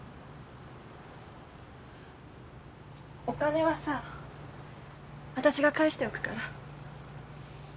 お金はさ私が返しておくから。